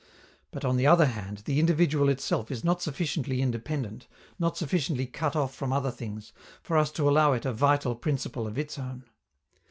But, on the other hand, the individual itself is not sufficiently independent, not sufficiently cut off from other things, for us to allow it a "vital principle" of its own.